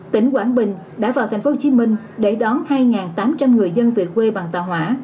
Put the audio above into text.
tỉnh quảng bình đã vào tp hcm để đón hai tám trăm linh người dân về quê bằng tàu hỏa